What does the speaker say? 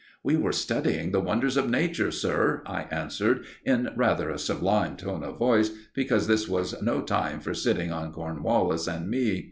"We were studying the wonders of Nature, sir," I answered, in rather a sublime tone of voice, because this was no time for sitting on Cornwallis and me.